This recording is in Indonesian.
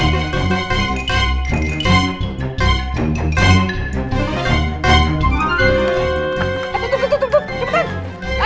eh tutup tutup cepetan